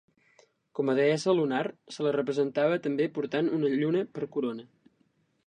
Com a deessa lunar se la representava també portant una lluna per corona.